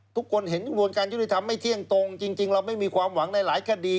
ทุกคนเห็นกระบวนการยุติธรรมไม่เที่ยงตรงจริงเราไม่มีความหวังในหลายคดี